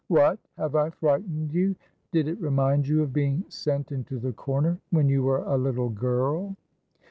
"What, have I frightened you? Did it remind you of being sent into the corner when you were a little girl?"